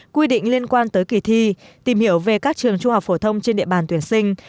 quy định liên quan tới kỳ thi tìm hiểu về các trường trung học phổ thông trên địa bàn tuyển sinh